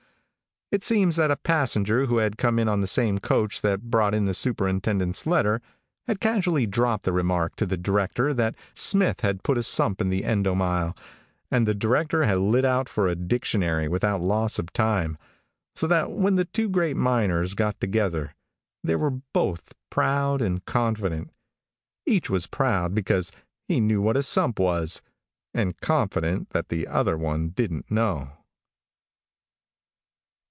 It seems that a passenger, who had come in on the same coach that brought in the superintendent's letter, had casually dropped the remark to the director that Smith had put a sump in the "Endomile," and the director had lit out for a dictionary without loss of time, so that when the two great miners got together, they were both proud and confident. Each was proud because he knew what a sump was, and confident that the other one didn't know.